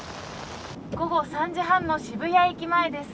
午後３時半の渋谷駅前です。